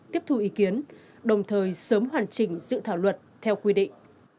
tiếp thu ý kiến đồng thời sớm hoàn chỉnh dự thảo luật theo quy định